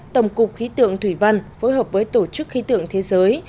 tổng cục khí tượng thủy văn phối hợp với tổ chức khí tượng thế giới